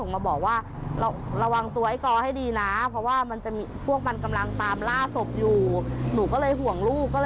มันเกินปลาย๖คนลุ้ม๑